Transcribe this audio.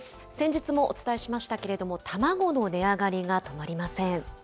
先日もお伝えしましたけれども、卵の値上がりが止まりません。